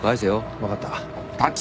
分かった。